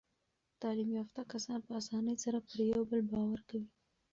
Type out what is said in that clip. تعلیم یافته کسان په اسانۍ سره پر یو بل باور کوي.